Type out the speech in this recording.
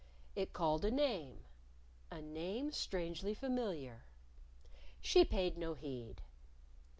It called a name a name strangely familiar. She paid no heed.